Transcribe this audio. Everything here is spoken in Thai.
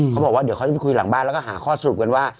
เขาบอกว่าเดี๋ยวเขาจะไปคุยหลังบ้านแล้วก็หาข้อสรุปกันว่า